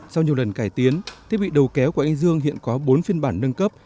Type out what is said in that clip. sau nhiều lần cải tiến thiết bị đầu kéo của anh dương hiện có bốn phiên bản nâng cấp